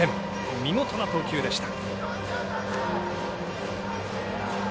見事な投球でした。